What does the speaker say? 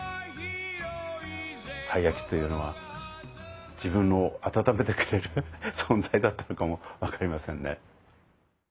たい焼きというのは自分を温めてくれる存在だったのかもわかりませんね。